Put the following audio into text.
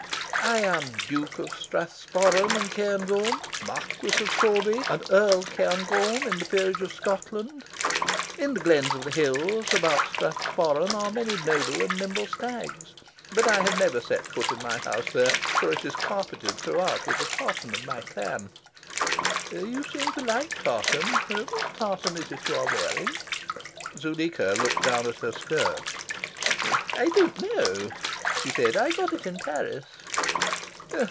I am Duke of Strathsporran and Cairngorm, Marquis of Sorby, and Earl Cairngorm, in the Peerage of Scotland. In the glens of the hills about Strathsporran are many noble and nimble stags. But I have never set foot in my house there, for it is carpeted throughout with the tartan of my clan. You seem to like tartan. What tartan is it you are wearing?" Zuleika looked down at her skirt. "I don't know," she said. "I got it in Paris."